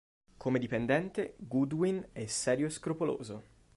Come dipendente, Goodwin è serio e scrupoloso.